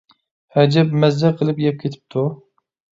ھەجەپ مەززە قىلىپ يەپ كېتىپتۇ.